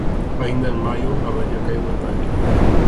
Aínda en Maio, a vella queima o tallo.